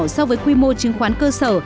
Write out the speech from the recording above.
so với quy mô trứng khoán cơ sở